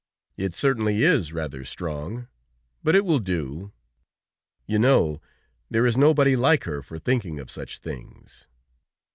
"It certainly is rather strong, but it will do! You know, there is nobody like her for thinking of such things!"